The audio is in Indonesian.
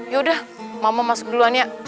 yaudah mama masuk duluan ya